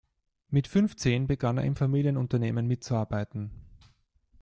Mit fünfzehn begann er im Familienunternehmen mitzuarbeiten.